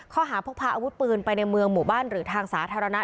ข้อหาพกพาอาวุธปืนไปในเมืองหมู่บ้านหรือทางสาธารณะ